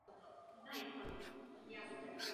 Jeho otcem je fotbalista Jiří Křižák.